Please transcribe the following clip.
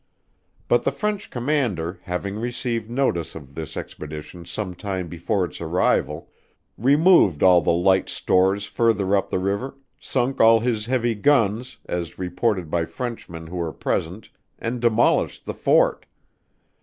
But the French commander, having received notice of this expedition some time before its arrival, removed all the light stores further up the river, sunk all his heavy guns as reported by Frenchmen who were present and demolished the fort.